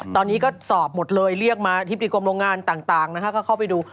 ตอนนี้ก็สอบหมดเลยเรียกมาอธิบดีกรมโรงงานต่างก็เข้าไปดู